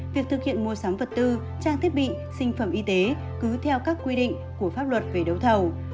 việc thực hiện mua sắm vật tư trang thiết bị sinh phẩm y tế cứ theo các quy định của pháp luật về đấu thầu